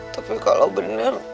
tapi kalau bener